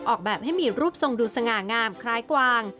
ออกแบบให้มีรูปทรงดูสง่างามคล้ายกวาง